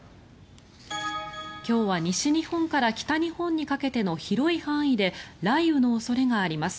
今日は西日本から北日本にかけての広い範囲で雷雨の恐れがあります。